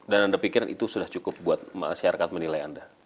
dan anda pikir itu sudah cukup buat masyarakat menilai anda